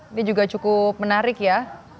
ini juga cukup menarik ya